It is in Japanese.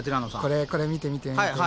これ見て見て見て！